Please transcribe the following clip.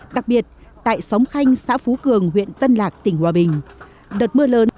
đặc biệt tại xóm khanh xã phú cường huyện tân lạc tỉnh hòa bình đợt mưa lớn